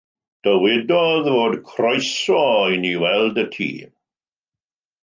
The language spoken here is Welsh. Dywedodd fod croeso inni weld y tŷ.